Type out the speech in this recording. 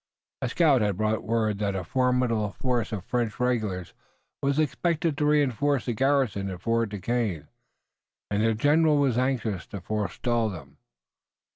A scout had brought word that a formidable force of French regulars was expected to reinforce the garrison at Fort Duquesne, and the general was anxious to forestall them.